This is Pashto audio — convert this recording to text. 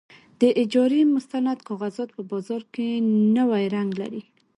د اجارې مستند کاغذات په بازار کې نوی رنګ لري.